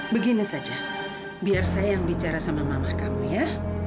begini saja biar saya yang bicara sama mama kamu ya